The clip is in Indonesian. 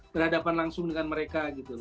berhadapan langsung dengan mereka gitu loh